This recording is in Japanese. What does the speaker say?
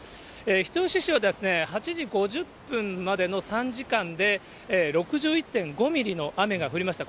人吉市はですね、８時５０分までの３時間で６１．５ミリの雨が降りました。